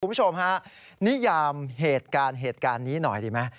คุณผู้ชมฮะนิยามเหตุการณ์เหตุการณ์นี้หน่อยดีไหม